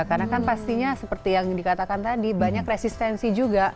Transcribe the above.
karena kan pastinya seperti yang dikatakan tadi banyak resistensi juga